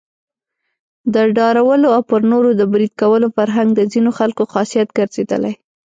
د ډارولو او پر نورو د بريد کولو فرهنګ د ځینو خلکو خاصيت ګرځېدلی.